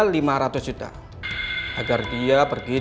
pembunuhan yang sesungguhnya